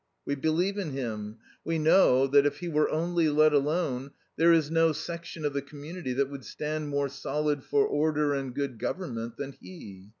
We believe in him, we know that, if he were only let alone, there is no section of the community that would stand more solid for order and good government than he."